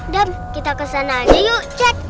dam kita ke sana aja yuk cek